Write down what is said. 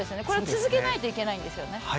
これ続けないといけないんですよね？